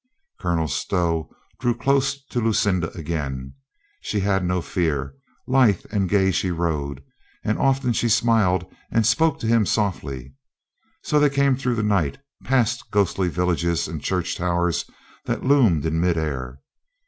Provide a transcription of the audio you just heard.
Colonel Stow drew close to Lucinda again. She had no fear. Lithe and gay she rode, and often she smiled, and often spoke to him softly. So they came through the night, past ghostly villages and church towers that loomed in mid air.